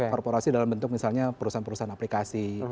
korporasi dalam bentuk misalnya perusahaan perusahaan aplikasi